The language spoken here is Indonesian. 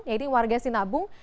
yaitu warga sinabung